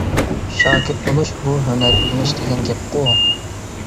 شاگىرت بولۇش — بۇ ھۈنەر ئۆگىنىش دېگەن گەپقۇ.